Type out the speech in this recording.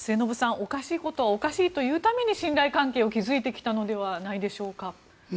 おかしいことはおかしいと言うために信頼関係を築いてきたのではないでしょうか。